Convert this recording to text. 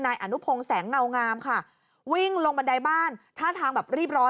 นายอนุพงศ์แสงเงางามค่ะวิ่งลงบันไดบ้านท่าทางแบบรีบร้อน